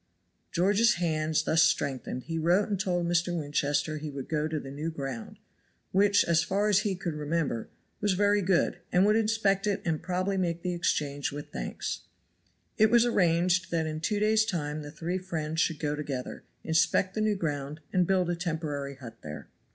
George's hands thus strengthened he wrote and told Mr. Winchester he would go to the new ground, which, as far as he could remember, was very good, and would inspect it, and probably make the exchange with thanks. It was arranged that in two days' time the three friends should go together, inspect the new ground and build a temporary hut there.